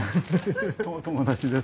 友達です。